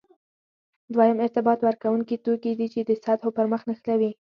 دویم ارتباط ورکوونکي توکي دي چې د سطحو پرمخ نښلوي.